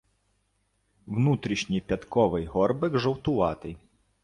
Внутрішній п'ятковий горбик жовтуватий.